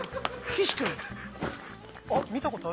岸君？